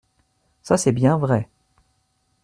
Ca, c’est bien vrai !